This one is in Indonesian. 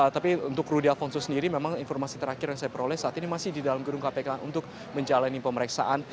tapi untuk rudy alfonso sendiri memang informasi terakhir yang saya peroleh saat ini masih di dalam gedung kpk untuk menjalani pemeriksaan